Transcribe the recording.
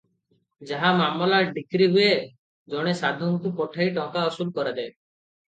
ଯାହାର ମାମଲା ଡିକ୍ରୀ ହୁଏ ଜଣେ ସାଧୁଙ୍କୁ ପଠାଇ ଟଙ୍କା ଅସୁଲ କରାଯାଏ ।